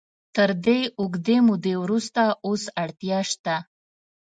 تر دې اوږدې مودې وروسته اوس اړتیا شته.